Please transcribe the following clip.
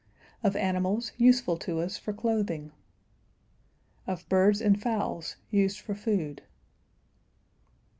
Of animals useful to us for clothing. Of birds and fowls used for food.